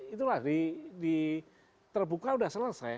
itulah terbuka udah selesai